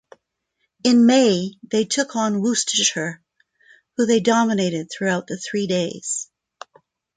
In May they took on Worcestershire, who they dominated throughout the three days.